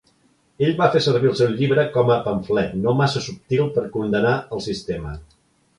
Ell fa servir el seu llibre com a pamflet no massa subtil per condemnar el sistema.